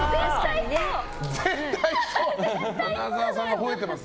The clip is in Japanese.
花澤さんがほえてます。